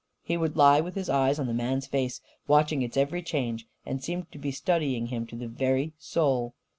He would lie with his eyes on the man's face, watching its every change; and seemed to be studying him to the very soul.